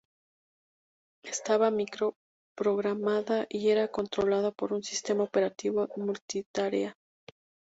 Estaba micro-programada y era controlada por un sistema operativo multitarea.